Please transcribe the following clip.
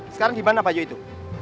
sekarang dimana bayi itu